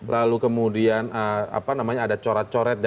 lalu kemudian ada coret coret